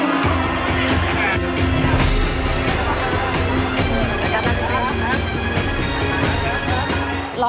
ขอบคุณครับ